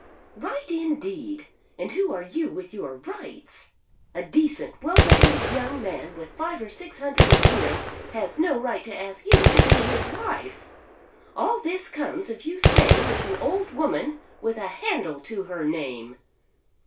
"Right indeed! And who are you with your rights? A decent well behaved young man with five or six hundred a year has no right to ask you to be his wife! All this comes of you staying with an old woman with a handle to her name."